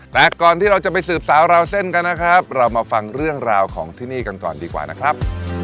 แต่ก่อนที่เราจะไปสืบสาวราวเส้นกันนะครับเรามาฟังเรื่องราวของที่นี่กันก่อนดีกว่านะครับ